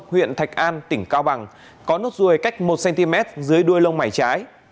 huyện thạch an tỉnh cao bằng có nốt ruồi cách một cm dưới đuôi lông mảy trái